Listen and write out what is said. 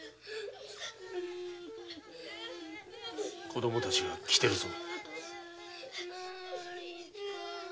子供たちが来てるぞ。